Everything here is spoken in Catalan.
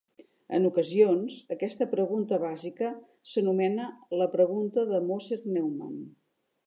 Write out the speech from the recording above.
En ocasions, aquesta pregunta bàsica s'anomena la "pregunta de Moser-Neumann".